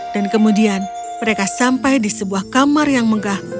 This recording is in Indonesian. dan kemudian mereka sampai di sebuah kamar yang megah